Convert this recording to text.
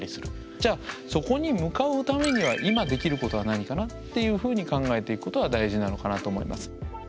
じゃそこに向かうためには今できることは何かな？っていうふうに考えていくことが大事なのかなと思います。